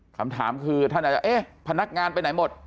คำถามคือท่านอาจจะเอ๊ะพนักงานไปไหนหมด